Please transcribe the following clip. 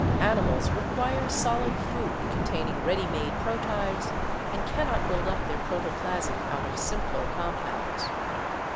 Animals require solid food containing ready made proteids and cannot build up their protoplasm out of simpler compounds.